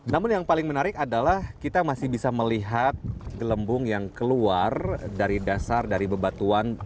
namun yang paling menarik adalah kita masih bisa melihat gelembung yang keluar dari dasar dari bebatuan